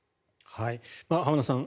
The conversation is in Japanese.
浜田さん